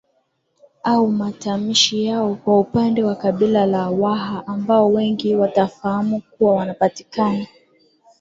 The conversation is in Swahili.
au matamshi yao Kwa upande wa kabila la Waha ambao wengi tunafahamu kuwa wanapatikana